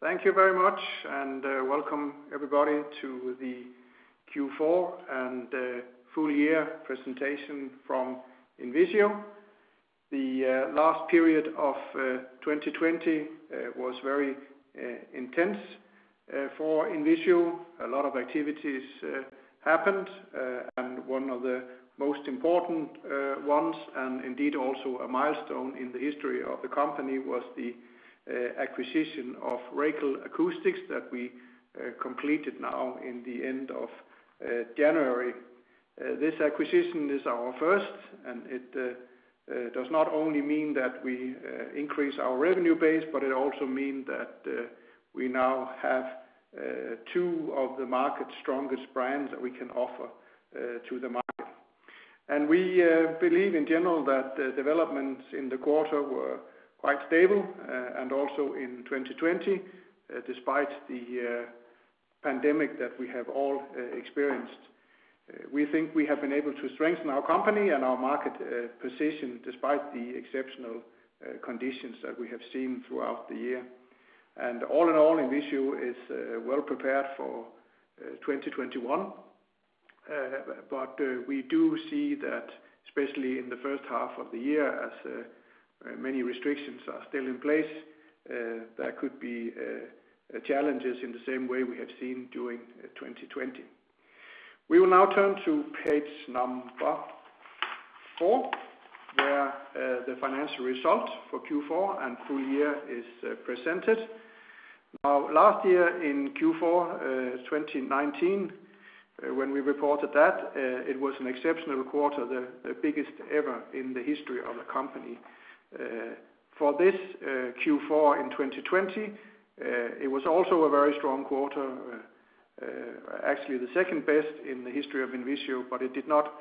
Thank you very much, and welcome everybody to the Q4 and full year presentation from INVISIO. The last period of 2020 was very intense for INVISIO. A lot of activities happened, and one of the most important ones, and indeed also a milestone in the history of the company, was the acquisition of Racal Acoustics that we completed now in the end of January. This acquisition is our first, and it does not only mean that we increase our revenue base, but it also mean that we now have two of the market's strongest brands that we can offer to the market. We believe in general that the developments in the quarter were quite stable, and also in 2020, despite the pandemic that we have all experienced. We think we have been able to strengthen our company and our market position despite the exceptional conditions that we have seen throughout the year. All in all, INVISIO is well-prepared for 2021. We do see that, especially in the first half of the year, as many restrictions are still in place, there could be challenges in the same way we have seen during 2020. We will now turn to page number four where the financial result for Q4 and full year is presented. Now, last year in Q4 2019, when we reported that, it was an exceptional quarter, the biggest ever in the history of the company. For this Q4 in 2020, it was also a very strong quarter, actually the second best in the history of INVISIO, but it did not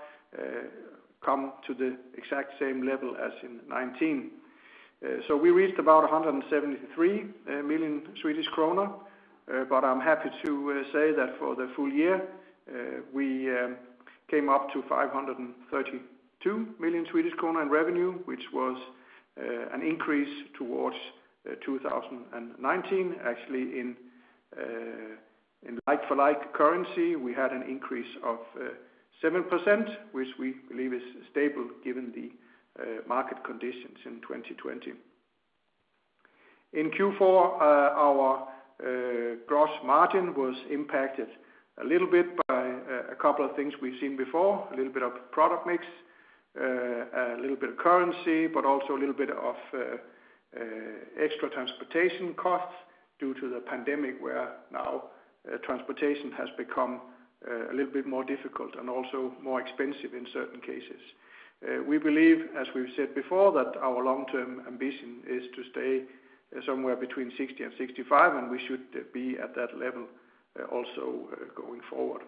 come to the exact same level as in 2019. We reached about 173 million Swedish kronor, but I'm happy to say that for the full year, we came up to 532 million Swedish kronor in revenue, which was an increase towards 2019. Actually, in like-for-like currency, we had an increase of 7%, which we believe is stable given the market conditions in 2020. In Q4, our gross margin was impacted a little bit by a couple of things we've seen before, a little bit of product mix, a little bit of currency, but also a little bit of extra transportation costs due to the pandemic, where now transportation has become a little bit more difficult and also more expensive in certain cases. We believe, as we've said before, that our long-term ambition is to stay somewhere between 60 million and 65 milllion, and we should be at that level also going forward.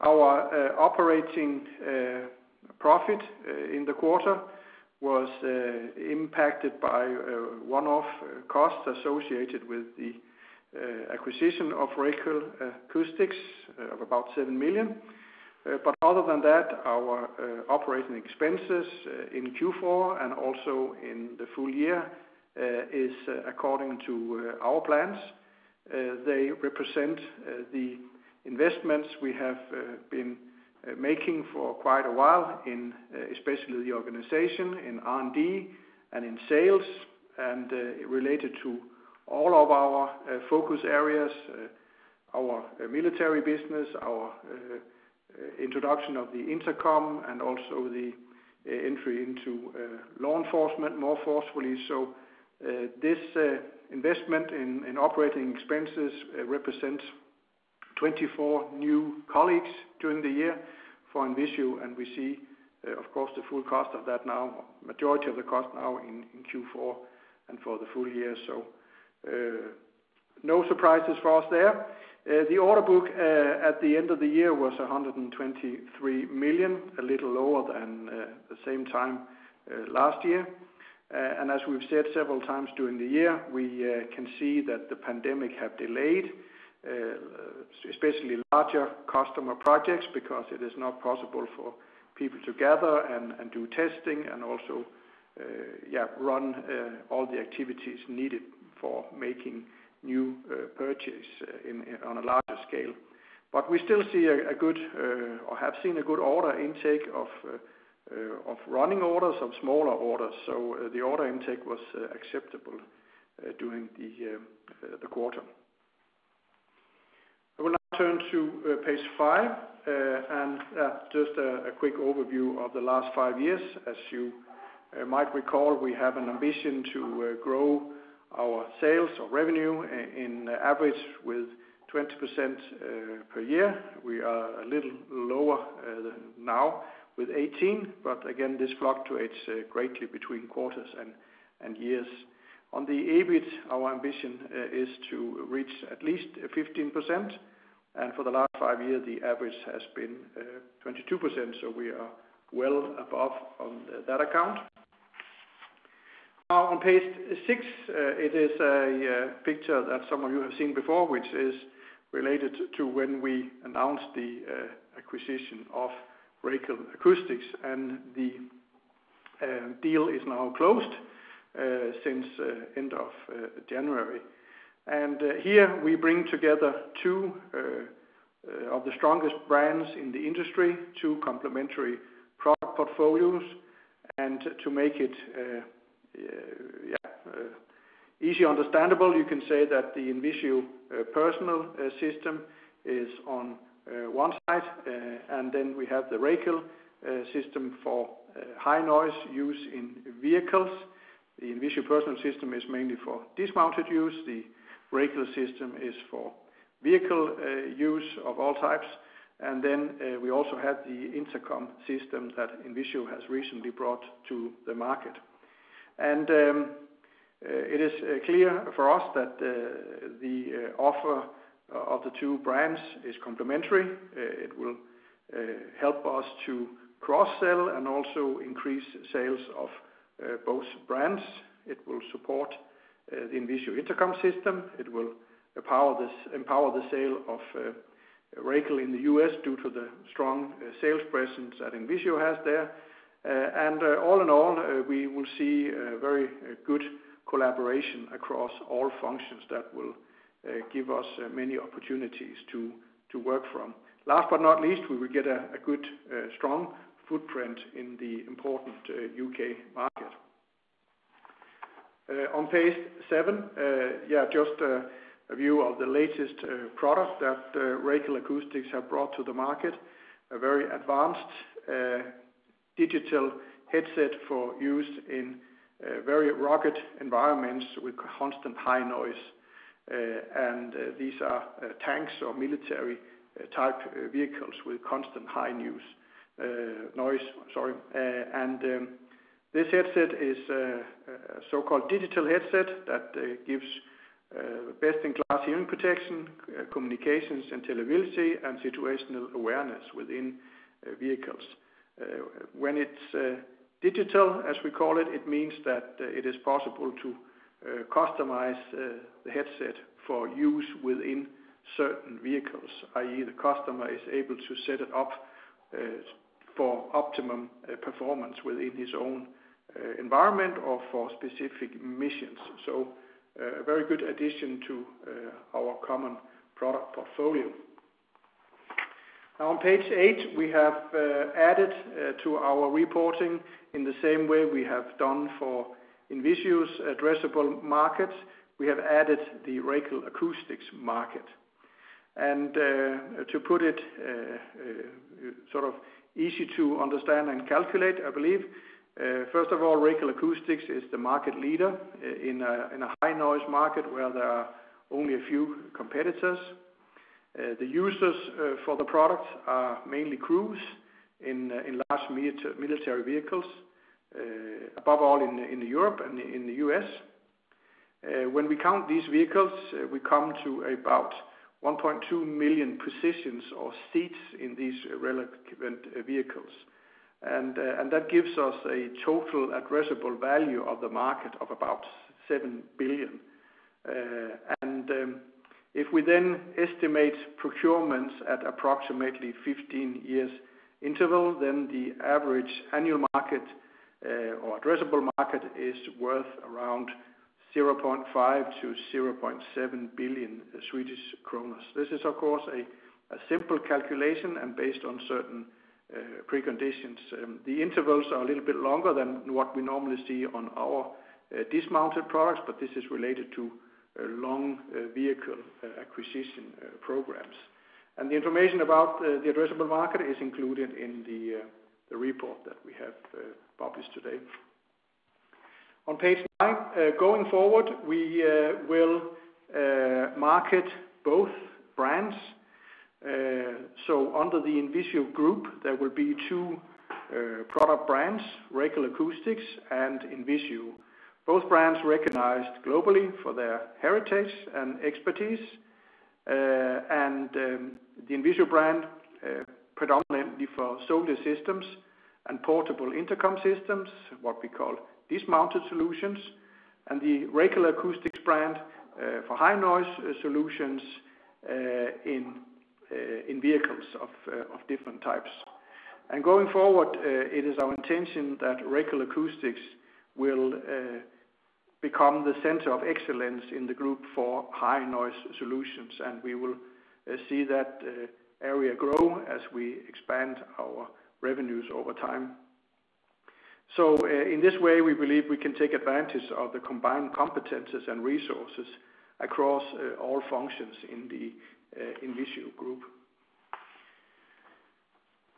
Our operating profit in the quarter was impacted by one-off costs associated with the acquisition of Racal Acoustics of about 7 million. Other than that, our operating expenses in Q4 and also in the full year is according to our plans. They represent the investments we have been making for quite a while in especially the organization, in R&D, and in sales, and related to all of our focus areas, our military business, our introduction of the intercom, and also the entry into law enforcement more forcefully. This investment in operating expenses, it represents 24 new colleagues during the year for INVISIO, and we see, of course, the majority of the cost now in Q4 and for the full year. No surprises for us there. The order book at the end of the year was 123 million, a little lower than the same time last year. As we've said several times during the year, we can see that the pandemic have delayed especially larger customer projects because it is not possible for people to gather and do testing and also run all the activities needed for making new purchase on a larger scale. We still have seen a good- I have seen a good order intake of running orders, of smaller orders. The order intake was acceptable during the quarter. I will now turn to page five, and just a quick overview of the last five years. As you might recall, we have an ambition to grow our sales or revenue in average with 20% per year. We are a little lower now with 18%, but again, this fluctuates greatly between quarters and years. On the EBIT, our ambition is to reach at least 15%, and for the last five years, the average has been 22%, so we are well above on that account. Now on page six, it is a picture that some of you have seen before, which is related to when we announced the acquisition of Racal Acoustics and the deal is now closed since end of January. Here we bring together two of the strongest brands in the industry, two complementary product portfolios. To make it easily understandable, you can say that the INVISIO personal system is on one side, and then we have the Racal system for high noise use in vehicles. The INVISIO personal system is mainly for dismounted use. The Racal system is for vehicle use of all types and then we also have the intercom system that INVISIO has recently brought to the market. It is clear for us that the offer of the two brands is complementary. It will help us to cross-sell and also increase sales of both brands. It will support the INVISIO Intercom system. It will empower the sale of Racal in the U.S. due to the strong sales presence that INVISIO has there. All in all, we will see very good collaboration across all functions that will give us many opportunities to work from. Last but not least, we will get a good, strong footprint in the important U.K. market. On page seven, just a view of the latest product that Racal Acoustics have brought to the market, a very advanced digital headset for use in very rugged environments with constant high noise. These are tanks or military type vehicles with constant high noise. This headset is a so-called digital headset that gives best-in-class hearing protection, communications, intelligibility, and situational awareness within vehicles. When it's digital, as we call it means that it is possible to customize the headset for use within certain vehicles, i.e., the customer is able to set it up for optimum performance within his own environment or for specific missions, so a very good addition to our common product portfolio. On page eight, we have added to our reporting in the same way we have done for INVISIO's addressable markets. We have added the Racal Acoustics market. To put it easy to understand and calculate, I believe, first of all, Racal Acoustics is the market leader in a high-noise market where there are only a few competitors. The users for the product are mainly crews in large military vehicles, above all in Europe and in the U.S. When we count these vehicles, we come to about 1.2 million positions or seats in these relevant vehicles, and that gives us a total addressable value of the market of about 7 billion. If we then estimate procurements at approximately 15 years interval, then the average annual market or addressable market is worth around 0.5 billion-0.7 billion Swedish kronor. This is of course a simple calculation and based on certain preconditions. The intervals are a little bit longer than what we normally see on our dismounted products, but this is related to long vehicle acquisition programs. The information about the addressable market is included in the report that we have published today. On page nine, going forward, we'll market both brands. Under the INVISIO group, there will be two product brands, Racal Acoustics and INVISIO. Both brands recognized globally for their heritage and expertise. The INVISIO brand predominantly for soldier systems and portable intercom systems, what we call dismounted solutions, and the Racal Acoustics brand for high noise solutions in vehicles of different types. Going forward, it is our intention that Racal Acoustics will become the center of excellence in the group for high noise solutions. We will see that area grow as we expand our revenues over time. In this way, we believe we can take advantage of the combined competencies and resources across all functions in the INVISIO group.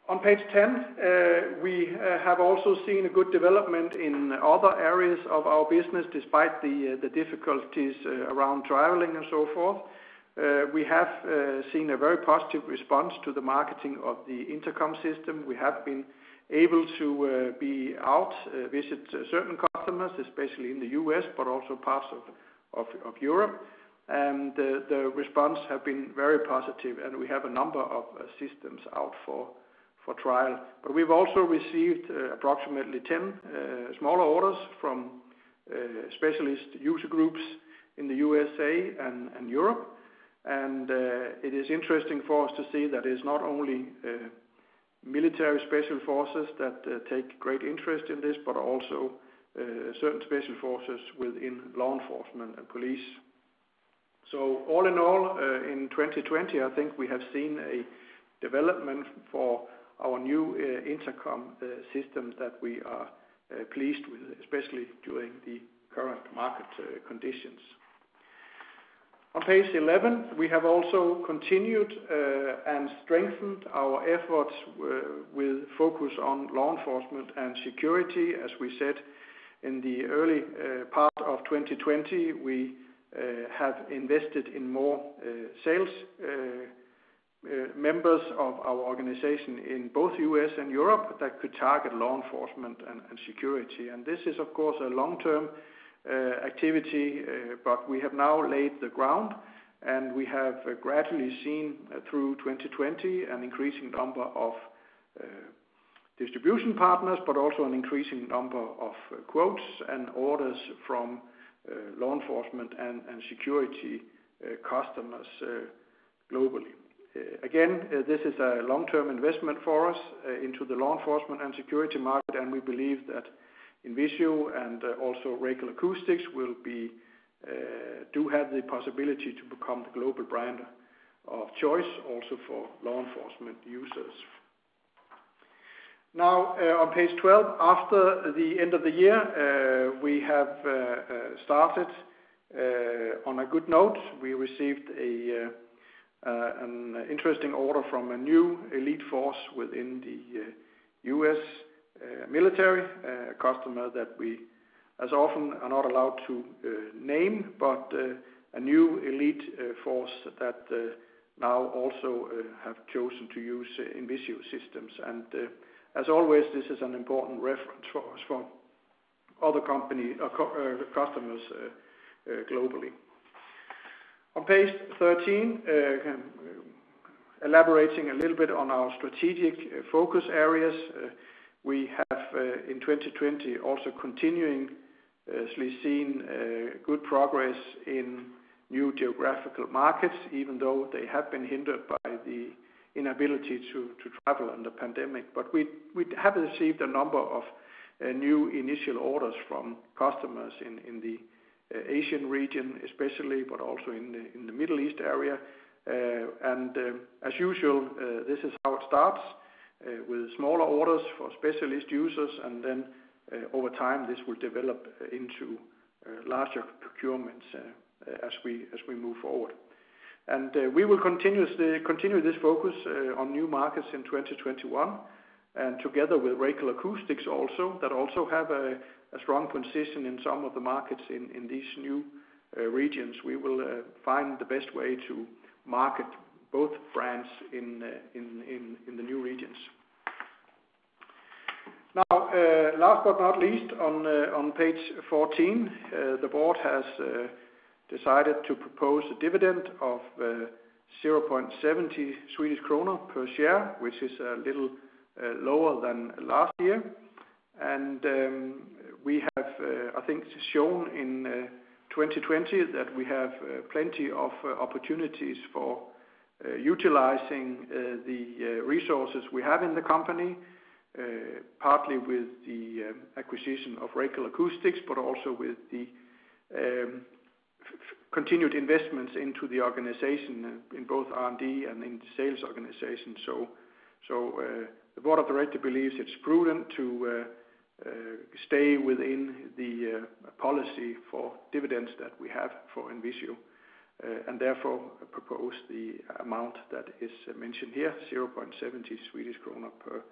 On page 10, we have also seen a good development in other areas of our business despite the difficulties around traveling and so forth. We have seen a very positive response to the marketing of the intercom system. We have been able to be out, visit certain customers, especially in the U.S., but also parts of Europe. The response have been very positive, and we have a number of systems out for trial. We've also received approximately 10 smaller orders from Specialist user groups in the U.S.A. and Europe. It is interesting for us to see that it's not only military special forces that take great interest in this, but also certain special forces within law enforcement and police. All in all, in 2020, I think we have seen a development for our new intercom system that we are pleased with, especially during the current market conditions. On page 11, we have also continued and strengthened our efforts with focus on law enforcement and security. As we said, in the early part of 2020, we have invested in more sales members of our organization in both U.S. and Europe that could target law enforcement and security. This is, of course, a long-term activity, but we have now laid the ground, we have gradually seen through 2020 an increasing number of distribution partners, but also an increasing number of quotes and orders from law enforcement and security customers globally. Again, this is a long-term investment for us into the law enforcement and security market, we believe that INVISIO and also Racal Acoustics do have the possibility to become the global brand of choice also for law enforcement users. Now on page 12, after the end of the year, we have started on a good note. We received an interesting order from a new elite force within the U.S. military, a customer that we, as often, are not allowed to name, but a new elite force that now also have chosen to use INVISIO systems. As always, this is an important reference for us from other customers globally. On page 13, elaborating a little bit on our strategic focus areas. We have, in 2020, also continuously seen good progress in new geographical markets, even though they have been hindered by the inability to travel in the pandemic. We have received a number of new initial orders from customers in the Asian region especially, but also in the Middle East area. As usual, this is how it starts, with smaller orders for specialist users, and then over time, this will develop into larger procurements as we move forward. We will continue this focus on new markets in 2021. Together with Racal Acoustics also, that also have a strong consistent in some of the markets in these new regions, we will find the best way to market both brands in the new regions. Now, last but not least, on page 14, the Board has decided to propose a dividend of 0.70 Swedish kronor per share, which is a little lower than last year. We have, I think shown in 2020 that we have plenty of opportunities for utilizing the resources we have in the company, partly with the acquisition of Racal Acoustics, but also with the continued investments into the organization in both R&D and in the sales organization. The Board of Directors believes it's prudent to stay within the policy for dividends that we have for INVISIO, and therefore propose the amount that is mentioned here, 0.70 Swedish krona per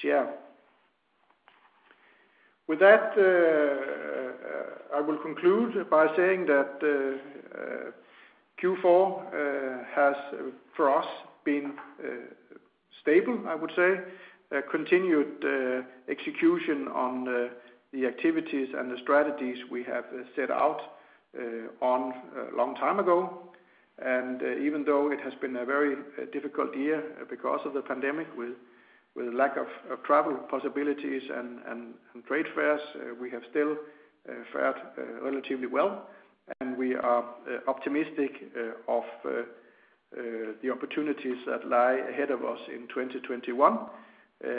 share. With that, I will conclude by saying that Q4 has, for us, been stable, I would say. Continued execution on the activities and the strategies we have set out on a long time ago. Even though it has been a very difficult year because of the pandemic with lack of travel possibilities and trade fairs, we have still fared relatively well, and we are optimistic of the opportunities that lie ahead of us in 2021.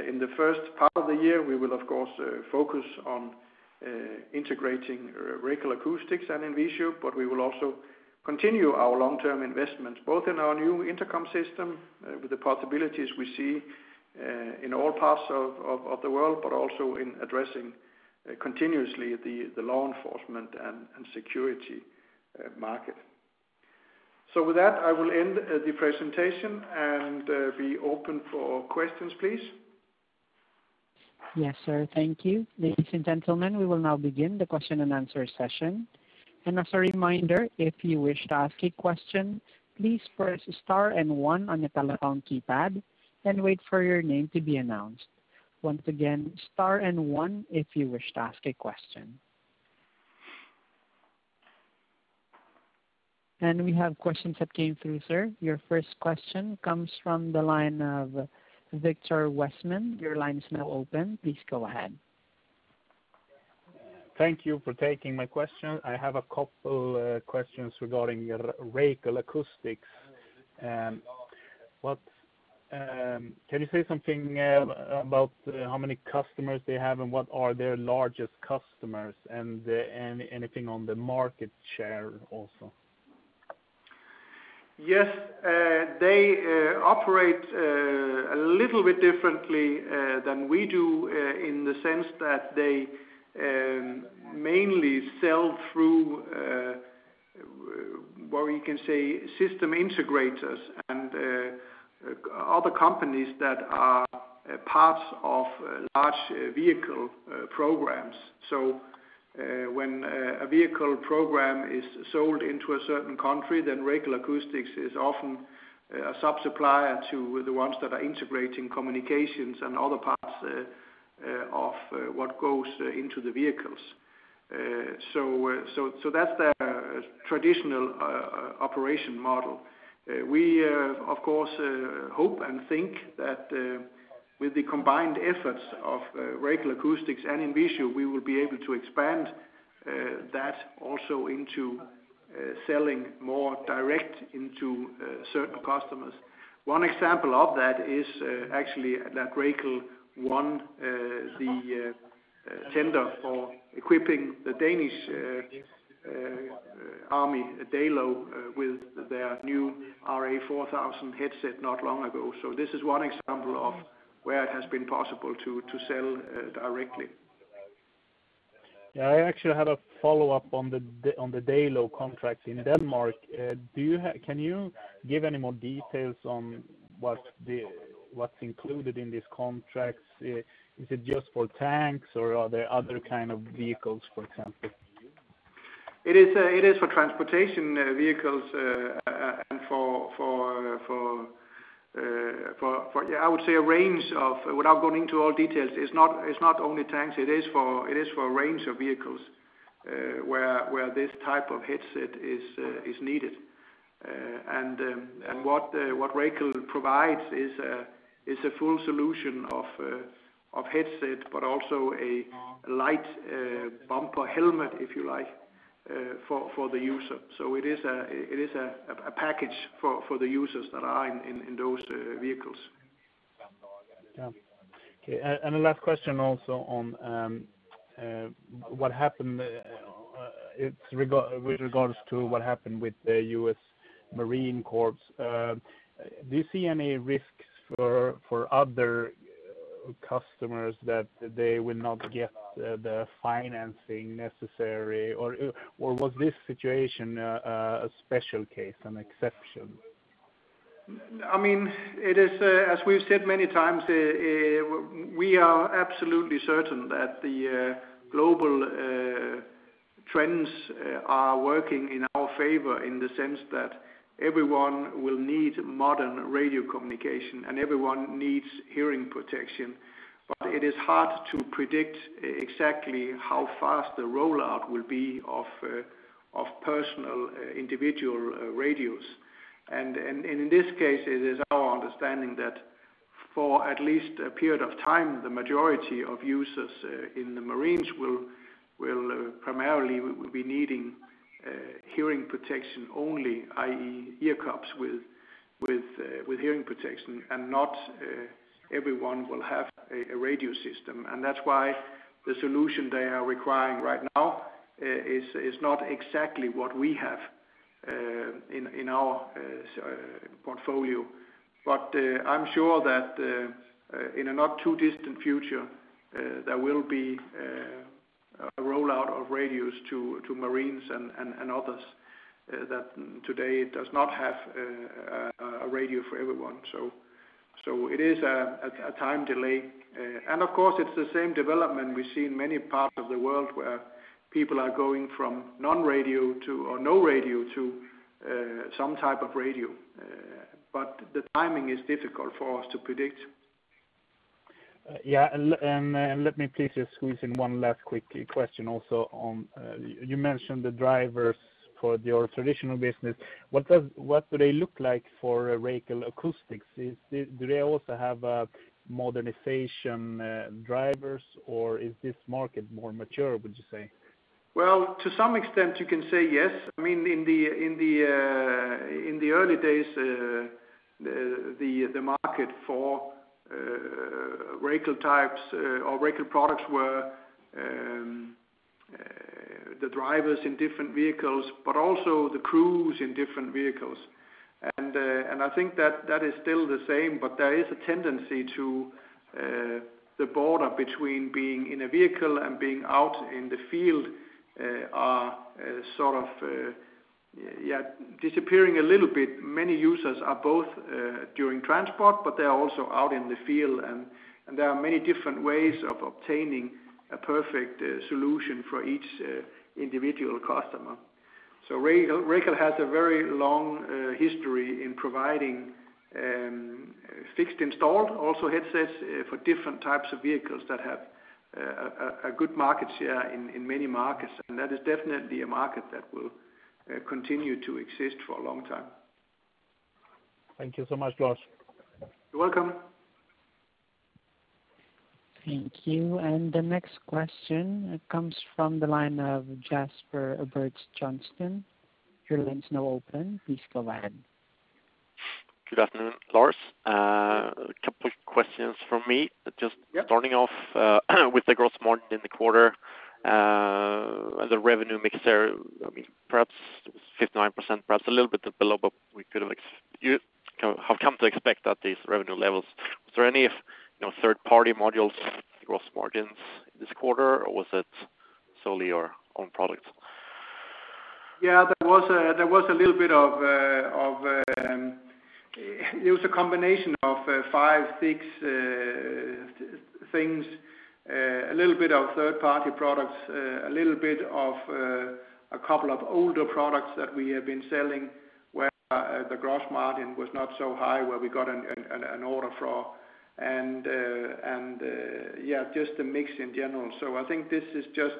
In the first part of the year, we will of course, focus on integrating Racal Acoustics and INVISIO, but we will also continue our long-term investments, both in our new intercom system, with the possibilities we see in all parts of the world, but also in addressing continuously the law enforcement and security market. With that, I will end the presentation and be open for questions, please. Yes, sir. Thank you. Ladies and gentlemen, we will now begin the question-and-answer session. As a reminder, if you wish to ask a question, please press star and one on your telephone keypad and wait for your name to be announced. Once again, star and one if you wish to ask a question. We have questions that came through, sir. Your first question comes from the line of Viktor Westman. Your line is now open. Please go ahead. Thank you for taking my question. I have a couple questions regarding Racal Acoustics. Can you say something about how many customers they have, and what are their largest customers? Anything on the market share also? Yes. They operate a little bit differently than we do in the sense that they mainly sell through, where you can say system integrators and other companies that are parts of large vehicle programs. When a vehicle program is sold into a certain country, then Racal Acoustics is often a sub-supplier to the ones that are integrating communications and other parts of what goes into the vehicles so that's their traditional operation model. We, of course, hope and think that with the combined efforts of Racal Acoustics and INVISIO, we will be able to expand that also into selling more direct into certain customers. One example of that is actually that Racal won the tender for equipping the Danish Army, DALO, with their new RA4000 headset not long ago. This is one example of where it has been possible to sell directly. I actually had a follow-up on the DALO contracts in Denmark. Can you give any more details on what's included in these contracts? Is it just for tanks or are there other kind of vehicles, for example? It is for transportation vehicles, and for, I would say, a range of without going into all details, it's not only tanks, it is for a range of vehicles, where this type of headset is needed. What Racal provides is a full solution of headset but also a light bumper helmet, if you like, for the user. It is a package for the users that are in those vehicles. Yeah. Okay. The last question also with regards to what happened with the U.S. Marine Corps. Do you see any risks for other customers that they will not get the financing necessary or was this situation a special case, an exception? As we've said many times, we are absolutely certain that the global trends are working in our favor in the sense that everyone will need modern radio communication, and everyone needs hearing protection. It is hard to predict exactly how fast the rollout will be of personal individual radios. In this case, it is our understanding that for at least a period of time, the majority of users in the Marines will primarily be needing hearing protection only, i.e., ear cups with hearing protection, and not everyone will have a radio system. That's why the solution they are requiring right now is not exactly what we have in our portfolio. I'm sure that in a not too distant future, there will be a rollout of radios to Marines and others that today does not have a radio for everyone. It is a time delay. Of course, it's the same development we see in many parts of the world where people are going from no radio to some type of radio but the timing is difficult for us to predict. Yeah. Let me please just squeeze in one last quick question also on, you mentioned the drivers for your traditional business. What do they look like for Racal Acoustics? Do they also have modernization drivers or is this market more mature, would you say? To some extent you can say yes. In the early days, the market for Racal types or Racal products were the drivers in different vehicles, but also the crews in different vehicles. I think that is still the same, but there is a tendency to the border between being in a vehicle and being out in the field are sort of disappearing a little bit. Many users are both during transport, but they are also out in the field, and there are many different ways of obtaining a perfect solution for each individual customer. Racal has a very long-history in providing fixed installed headsets for different types of vehicles that have a good market share in many markets and that is definitely a market that will continue to exist for a long time. Thank you so much, Lars. You're welcome. Thank you. The next question comes from the line of Jesper Birch-Johnston. Your line's now open. Please go ahead. Good afternoon, Lars. A couple of questions from me. Yeah. Just starting off with the gross margin in the quarter. The revenue mix, perhaps 59%, perhaps a little bit below, but we have come to expect at these revenue levels. Was there any third-party modules gross margins this quarter, or was it solely your own product? Yeah, it was a combination of five, six things. A little bit of third-party products, a little bit of a couple of older products that we have been selling, where the gross margin was not so high where we got an order for. Yeah, just the mix in general. I think this is just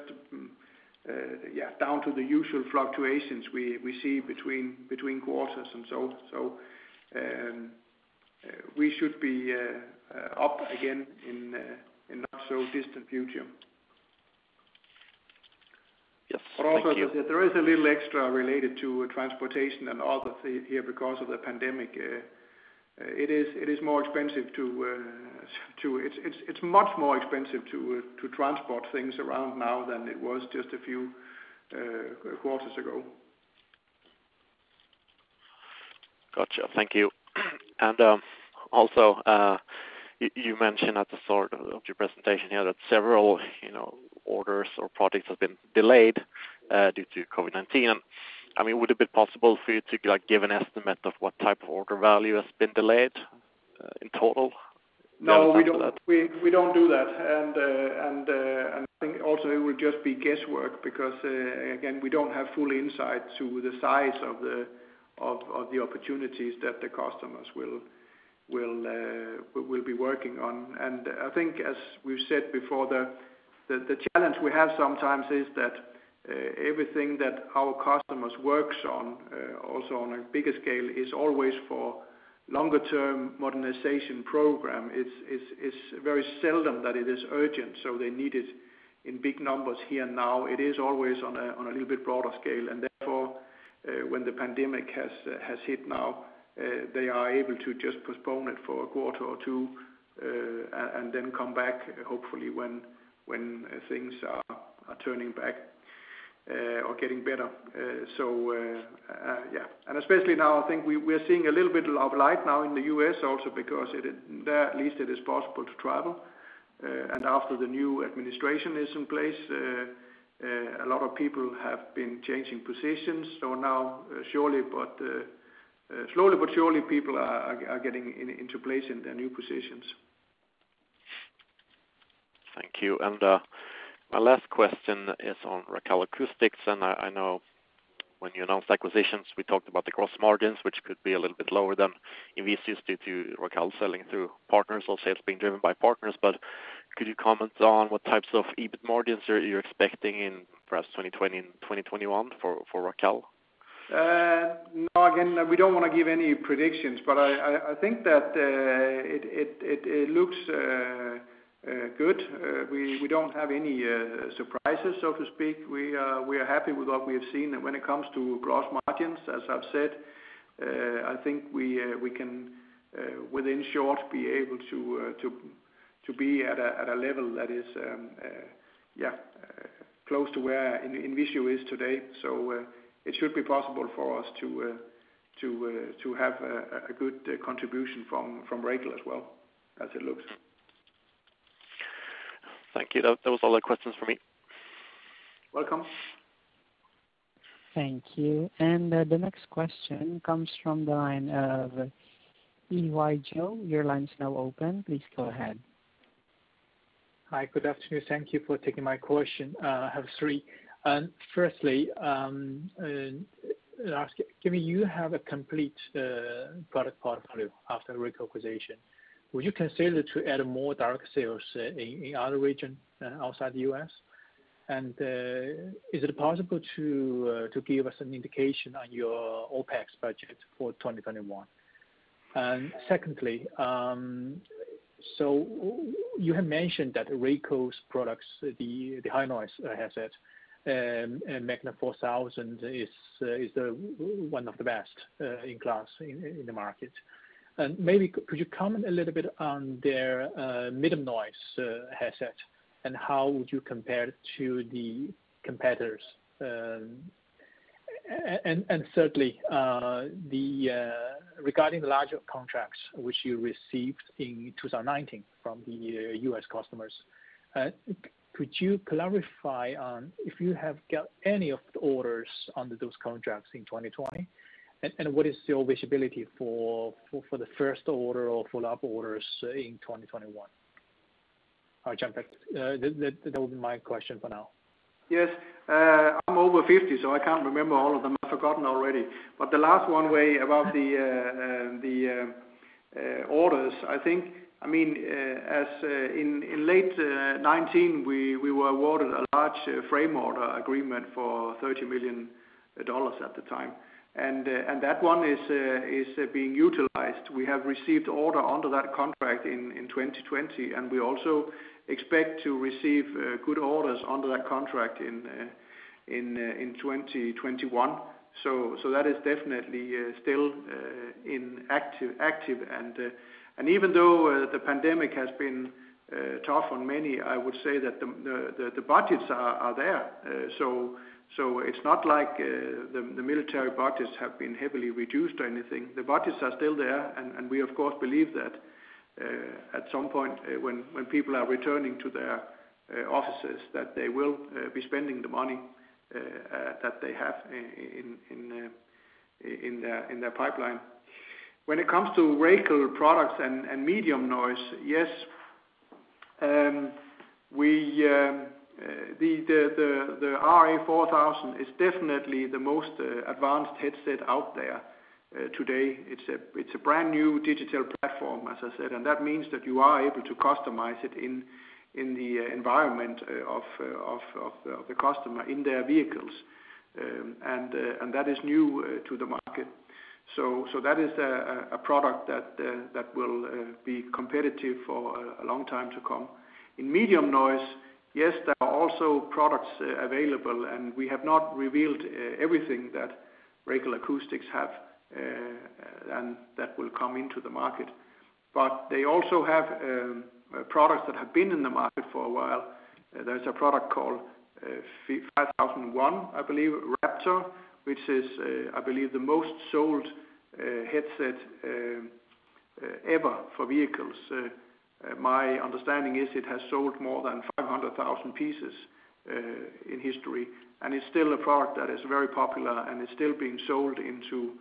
down to the usual fluctuations we see between quarters and so on. We should be up again in the not so distant future. Yes. Thank you. Also there is a little extra related to transportation and other things here because of the pandemic. It's much more expensive to transport things around now than it was just a few quarters ago. Got you. Thank you. Also, you mentioned at the start of your presentation here that several orders or products have been delayed due to COVID-19. Would it be possible for you to give an estimate of what type of order value has been delayed in total? No, we don't do that. I think also it would just be guesswork because, again, we don't have full insight to the size of the opportunities that the customers will be working on. I think, as we've said before, the challenge we have sometimes is that everything that our customers work on, also on a bigger scale, is always for longer term modernization program. It is very seldom that it is urgent, so they need it in big numbers here now. It is always on a little bit broader scale, and therefore, when the pandemic has hit now, they are able to just postpone it for a quarter or two, and then come back, hopefully, when things are turning back or getting better. Yeah. Especially now, I think we're seeing a little bit of light now in the U.S. also because there, at least, it is possible to travel. After the new administration is in place, a lot of people have been changing positions. Now, slowly but surely, people are getting into place in their new positions. Thank you. My last question is on Racal Acoustics, and I know when you announced acquisitions, we talked about the gross margins, which could be a little bit lower than INVISIO's due to Racal selling through partners or sales being driven by partners. Could you comment on what types of EBIT margins you're expecting in perhaps 2020 and 2021 for Racal? No, again, we don't want to give any predictions, but I think that it looks good. We don't have any surprises, so to speak. We are happy with what we have seen. When it comes to gross margins, as I've said, I think we can within short be able to be at a level that is close to where INVISIO is today. It should be possible for us to have a good contribution from Racal as well as it looks. Thank you. Those were all the questions for me. Welcome. Thank you. The next question comes from the line of E. Y. Jo. Your line's now open. Please go ahead. Hi. Good afternoon. Thank you for taking my question. I have three. Firstly, Lars, given you have a complete product portfolio after Racal acquisition, would you consider to add more direct sales in other region outside the U.S.? Is it possible to give us an indication on your OpEx budget for 2021? Secondly, you have mentioned that Racal's products, the high noise headset and Magna 4000, is one of the best in class in the market. Maybe could you comment a little bit on their medium noise headset, and how would you compare it to the competitors? Thirdly, regarding larger contracts which you received in 2019 from the U.S. customers, could you clarify on if you have got any of the orders under those contracts in 2020? What is your visibility for the first order or follow-up orders in 2021? All right, Jan-Peter that would be my question for now. Yes. I'm over 50, so I can't remember all of them. I've forgotten already. The last one Wei, about the orders, I think in late 2019, we were awarded a large frame order agreement for $30 million at the time. That one is being utilized. We have received order under that contract in 2020, and we also expect to receive good orders under that contract in 2021. That is definitely still active. Even though the pandemic has been tough on many, I would say that the budgets are there. It's not like the military budgets have been heavily reduced or anything. The budgets are still there, and we of course believe that at some point when people are returning to their offices, that they will be spending the money that they have in their pipeline. When it comes to Racal products and medium noise, yes, the RA4000 is definitely the most advanced headset out there today. It's a brand-new digital platform, as I said, and that means that you are able to customize it in the environment of the customer in their vehicles and that is new to the market. That is a product that will be competitive for a long time to come. In medium noise, yes, there are also products available, and we have not revealed everything that Racal Acoustics have, and that will come into the market but they also have products that have been in the market for a while. There's a product called RA5001, I believe, Raptor, which is, I believe, the most sold headset ever for vehicles. My understanding is it has sold more than 500,000 pieces in history and it's still a product that is very popular. It's still being sold into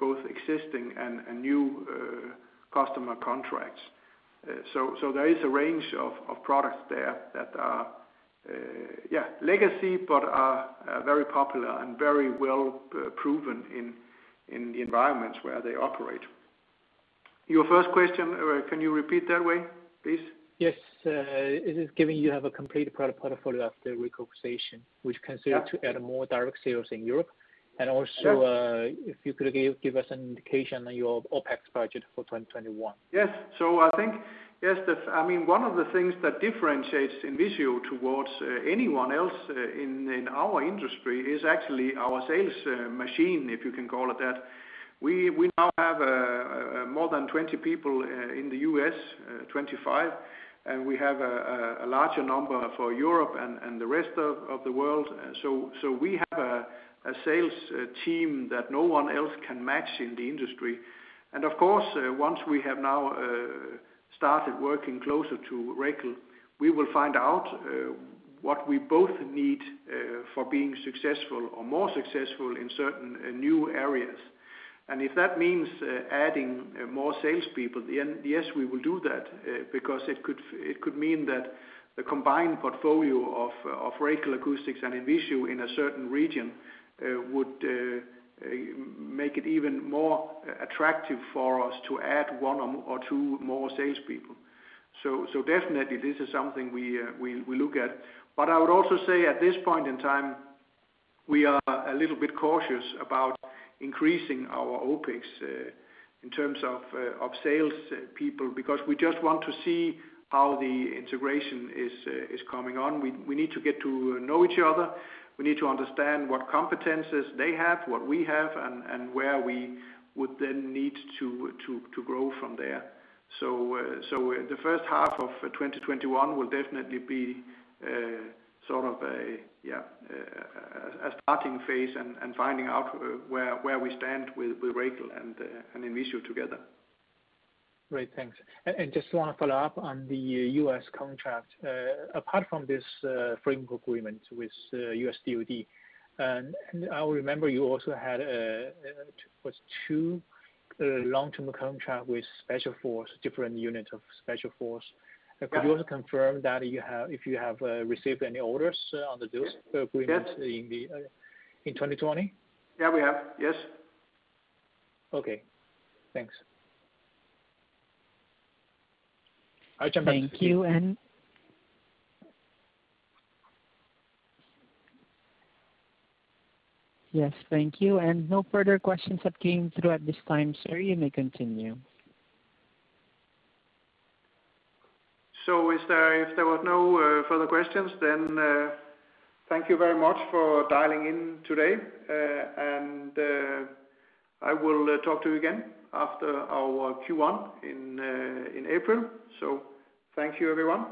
both existing and new customer contracts. There is a range of products there that are legacy but are very popular and very well proven in the environments where they operate. Your first question, can you repeat that, Wei, please? Yes. Is it given you have a complete product portfolio after Racal acquisition, which considering to add more direct sales in Europe? Yes. Also, if you could give us an indication on your OpEx budget for 2021. Yes. I think, yes, I mean, one of the things that differentiates INVISIO towards anyone else in our industry is actually our sales machine, if you can call it that. We now have more than 20 people in the U.S., 25, and we have a larger number for Europe and the rest of the world. We have a sales team that no one else can match in the industry. Of course, once we have now started working closer to Racal, we will find out what we both need for being successful or more successful in certain new areas. If that means adding more salespeople, then yes, we will do that, because it could mean that the combined portfolio of Racal Acoustics and INVISIO in a certain region would make it even more attractive for us to add one or two more salespeople. Definitely this is something we look at. I would also say at this point in time, we are a little bit cautious about increasing our OpEx in terms of sales people, because we just want to see how the integration is coming on. We need to get to know each other. We need to understand what competencies they have, what we have, and where we would then need to grow from there. The first half of 2021 will definitely be sort of a starting phase and finding out where we stand with Racal and INVISIO together. Great. Thanks. Just want to follow up on the U.S. contract. Apart from this framework agreement with U.S. DoD, I remember you also had, was it two long-term contract with different unit of special force? Yeah. Could you also confirm if you have received any orders on those agreements in 2020? Yeah, we have. Yes. Okay. Thanks. All right, Jan-Peter. Thank you. Yes. Thank you. No further questions have come through at this time, sir. You may continue. If there was no further questions, then thank you very much for dialing in today. I will talk to you again after our Q1 in April. Thank you, everyone.